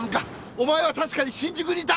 お前は確かに新宿にいた！